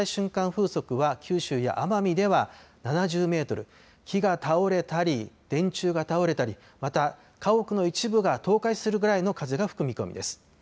風速は九州や奄美では７０メートル、木が倒れたり、電柱が倒れたり、また家屋の一部が倒壊するぐらいの風が吹く見込みです。